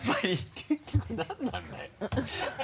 結局何なんだよ